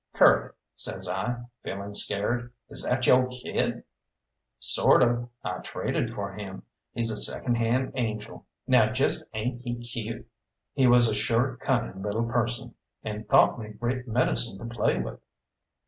"Curly," says I, feeling scared, "is that yo' kid?" "Sort of. I traded for him. He's a second hand angel. Now jest ain't he cute?" He was a sure cunning little person, and thought me great medicine to play with.